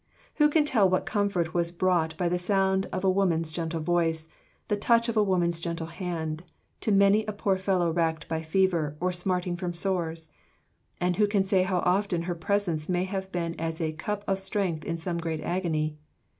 " Who can tell what comfort was brought by the sound of a woman's gentle voice, the touch of a woman's gentle hand, to many a poor fellow racked by fever, or smarting from sores? And who can say how often her presence may have been as "a cup of strength in some great agony"?